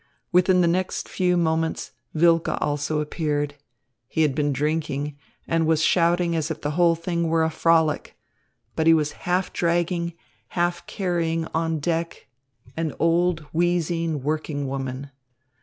Within the next few moments, Wilke also appeared. He had been drinking, and was shouting as if the whole thing were a frolic; but he was half dragging, half carrying on deck an old, wheezing working woman.